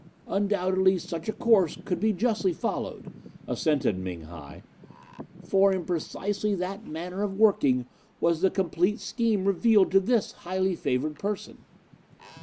"'Undoubtedly such a course could be justly followed,' assented Ming hi, 'for in precisely that manner of working was the complete scheme revealed to this highly favoured person.